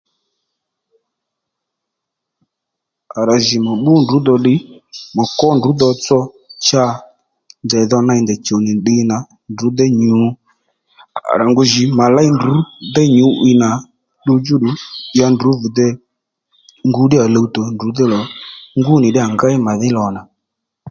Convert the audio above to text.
À rà jì mà bbú ndrǔ dho ddiy mà kwó ndrǔ tsotso cha ndèy dho ney ndèy chùw nì ddiy nà ndrǔ déy nyǔ à rà ngu jǐ mà léy ndrǔ déy nyǔ'wiy nà ddu djúddù ya ndrǔ vì dey ngu ddíyà luwtò ndrǔ dhí lò ngú nì ddíyà ngéy màdhí lò nà